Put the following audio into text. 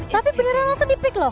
tapi beneran langsung di peak loh